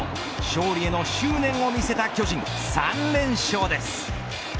勝利への執念を見せた巨人３連勝です。